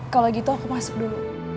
kalau gitu aku masuk dulu